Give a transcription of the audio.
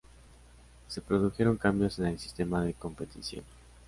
Se produjeron cambios en el sistema de competición.